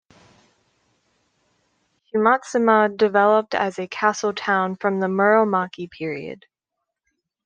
Shimotsuma developed as a castle town from the Muromachi period.